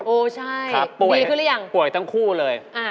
โอ้ใช่ดีขึ้นหรือยังครับป่วยทั้งคู่เลย